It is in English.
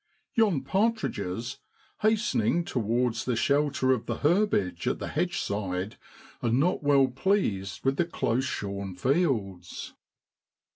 Yon partridges, hastening towards the shelter of the herbage at the hedgeside, are not well pleased with the close shorn fields.